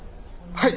はい。